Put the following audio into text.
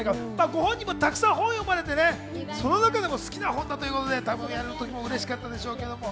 ご本人もたくさん本を読まれて、その中でも好きな本だということで、うれしかったでしょうけれど。